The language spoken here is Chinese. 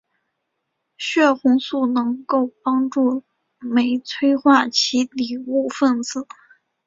血红素能够帮助酶催化其底物分子。